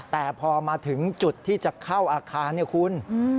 แต่พอมาถึงจุดที่จะเข้าอาคารเนี่ยคุณ